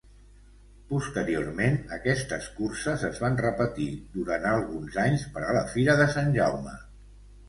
Posteriorment aquestes curses es van repetir durant alguns anys per la fira de Sant Jaume.